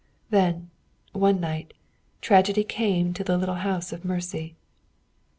Then, one night, tragedy came to the little house of mercy.